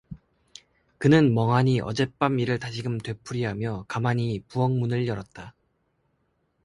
그는 멍하니 어젯밤 일을 다시금 되풀이하며 가만히 부엌문을 열었다.